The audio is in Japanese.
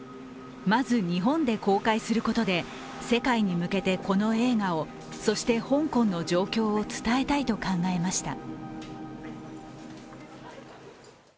まず日本で公開することで、世界に向けてこの映画をそして香港の状況を伝えたいと考えました。